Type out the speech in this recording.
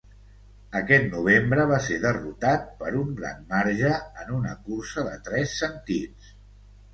Aquest novembre, va ser derrotat per un gran marge en una cursa de tres sentits.